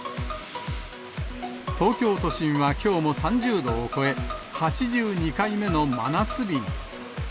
東京都心はきょうも３０度を超え、８２回目の真夏日に。